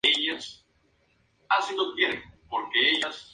Se consolidó en el equipo, y continuó como titular.